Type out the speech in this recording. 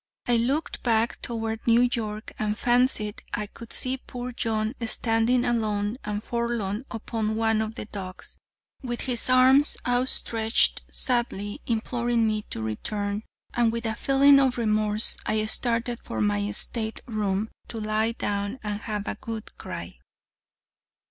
I looked back toward New York, and fancied I could see poor John standing alone, and forlorn, upon one of the docks, with his arms outstretched, sadly imploring me to return, and with a feeling of remorse I started for my stateroom to lie down and have a good cry.